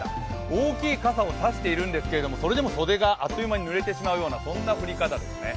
大きい傘を差しているんですけれどもそれでも袖があっという間にぬれてしまうような、そんな降り方ですね。